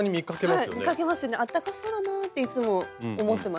あったかそうだなっていつも思ってました。